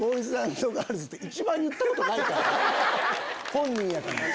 本人やから。